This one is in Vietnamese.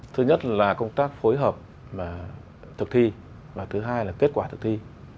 thứ nhất là công tác phối hợp và thực thi và thứ hai là kết quả thực thi